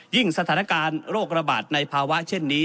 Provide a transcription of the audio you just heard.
สถานการณ์โรคระบาดในภาวะเช่นนี้